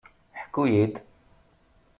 Ḥku-yi-d!